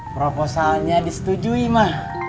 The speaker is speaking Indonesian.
proposalnya disetujui ma